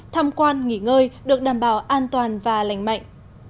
tham quan nghỉ ngơi được đảm bảo an toàn và lành mạnh